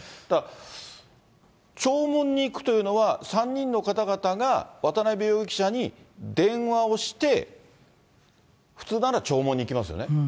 だから、弔問に行くというのは、３人の方々が渡辺容疑者に電話をして、普通なら弔問に行きますよね。